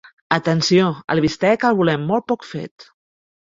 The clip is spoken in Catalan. Atenció, el bistec el volen molt poc fet.